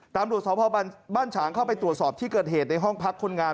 ตำรวจสพบ้านฉางเข้าไปตรวจสอบที่เกิดเหตุในห้องพักคนงาน